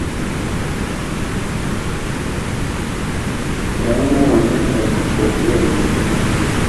yaramubonye aratukura kubera umujinya